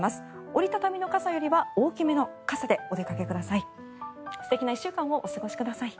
折り畳みの傘よりは大きめの傘でお出かけください。